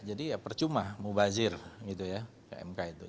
jadi ya percuma mubazir gitu ya ke mk itu